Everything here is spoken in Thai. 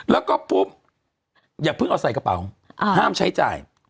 แล้วก็ปุ๊บอย่าเพิ่งเอาใส่กระเป๋าห้ามใช้จ่าย